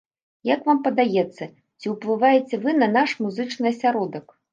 Як вам падаецца, ці ўплываеце вы на наш музычны асяродак?